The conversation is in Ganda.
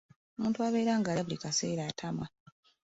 Omuntu abeera ng'alya buli kaseera atama.